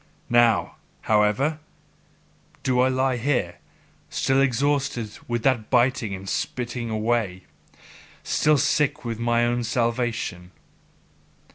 Now, however, do I lie here, still exhausted with that biting and spitting away, still sick with mine own salvation.